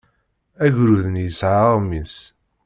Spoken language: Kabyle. Agrud-nni yesɛa aɣmis.